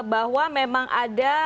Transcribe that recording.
bahwa memang ada